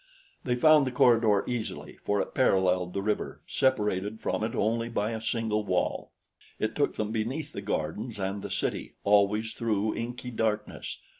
They found the corridor easily, for it paralleled the river, separated from it only by a single wall. It took them beneath the gardens and the city, always through inky darkness.